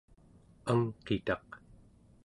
angqitaq